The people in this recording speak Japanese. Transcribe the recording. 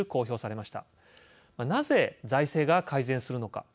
なぜ財政が改善するのか。